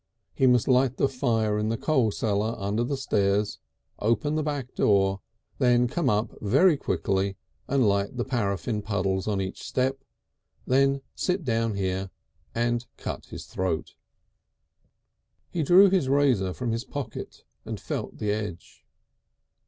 He must light the fire in the coal cellar under the stairs, open the back door, then come up them very quickly and light the paraffine puddles on each step, then sit down here again and cut his throat. He drew his razor from his pocket and felt the edge.